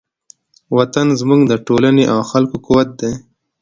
وطن زموږ د ټولنې او خلکو قوت دی.